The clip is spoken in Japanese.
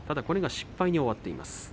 それが失敗に終わっています。